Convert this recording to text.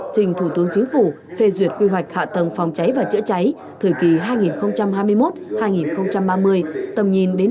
trình thủ tướng chính phủ phê duyệt quy hoạch hạ tầng phòng cháy và chữa cháy thời kỳ hai nghìn hai mươi một hai nghìn ba mươi tầm nhìn đến năm hai nghìn năm mươi theo quy định